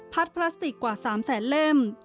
พัดพลาสติกกว่า๓๐๐๐๐๐เล่ม